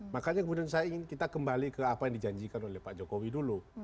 makanya kemudian saya ingin kita kembali ke apa yang dijanjikan oleh pak jokowi dulu